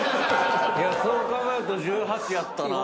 そう考えると１８やったなぁ。